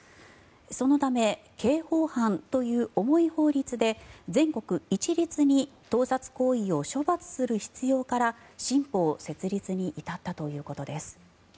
そのため刑法犯という重い法律で全国一律に盗撮行為を処罰する必要から新法設立に至ったということです。